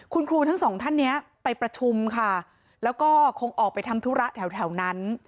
คุณครูทั้งสองท่านเนี้ยไปประชุมค่ะแล้วก็คงออกไปทำธุระแถวนั้น